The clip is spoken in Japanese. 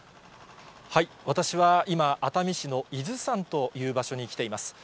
私は今、熱海市の伊豆山という場所に来ています。